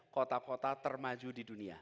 kota kota termaju di dunia